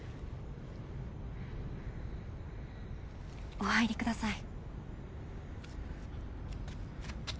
お入りください。